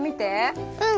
うん。